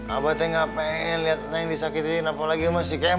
abah nggak pengen liat neng disakitin apalagi masih kemot